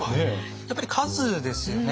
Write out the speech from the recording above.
やっぱり数ですよね。